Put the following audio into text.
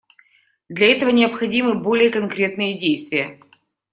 Для этого необходимы более конкретные действия.